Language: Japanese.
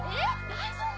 大丈夫？